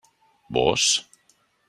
Vós?